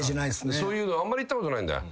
そういうのあんまり言ったことないんだ。